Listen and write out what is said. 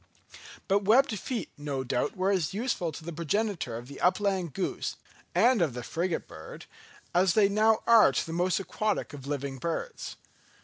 But webbed feet no doubt were as useful to the progenitor of the upland goose and of the frigate bird, as they now are to the most aquatic of living birds.